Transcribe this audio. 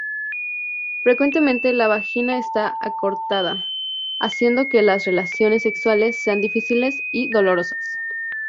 Frecuentemente la vagina está acortada, haciendo que las relaciones sexuales sean difíciles y dolorosas.